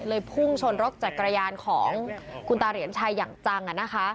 พุ่งชนรถจักรยานของคุณตาเหรียญชัยอย่างจัง